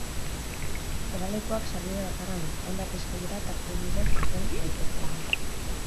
Geralekuak sarbide bakarra du, hainbat eskailera tarte bidez hel daitekeela.